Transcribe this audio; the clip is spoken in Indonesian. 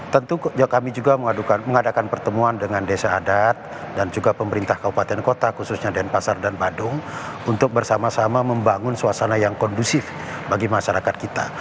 tentu kami juga mengadakan pertemuan dengan desa adat dan juga pemerintah kabupaten kota khususnya denpasar dan badung untuk bersama sama membangun suasana yang kondusif bagi masyarakat kita